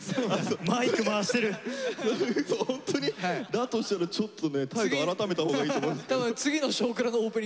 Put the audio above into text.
だとしたらちょっとね態度改めたほうがいいと。